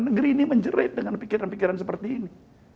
negeri ini menjerit dengan pikiran pikiran seperti ini